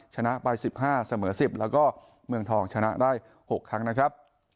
ชนะไป๑๕เสมอ๑๐แล้วก็เมืองทองชนะได้๖ครั้งนะครับ